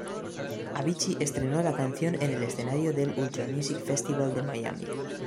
Avicii estrenó la canción en el escenario del Ultra Music Festival de Miami.